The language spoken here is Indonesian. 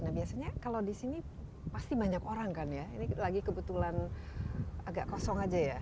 nah biasanya kalau di sini pasti banyak orang kan ya ini lagi kebetulan agak kosong aja ya